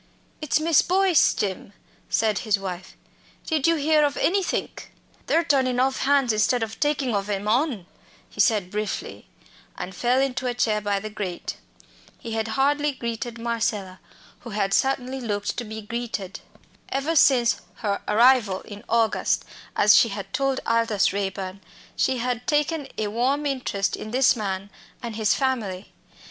"It's Miss Boyce, Jim," said his wife. "Did you hear of anythink?" "They're turnin' off hands instead of takin' ov 'em on," he said briefly, and fell into a chair by the grate. He had hardly greeted Marcella, who had certainly looked to be greeted. Ever since her arrival in August, as she had told Aldous Raeburn, she had taken a warm interest in this man and his family.